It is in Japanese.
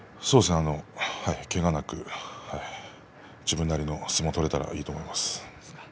そうですね、けがなく自分なりの相撲が取れたらいいと思います。